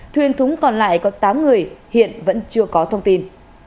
thuyền thúng còn lại có tám người hiện vẫn chưa có thông tin